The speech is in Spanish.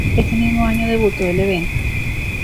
Ese mismo año debutó el evento.